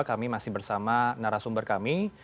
kami masih bersama narasumber kami